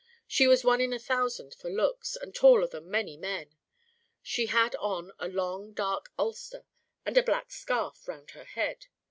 She was one in a thousand for looks, and taller than many men. She had on a long dark ulster and a black scarf round her head.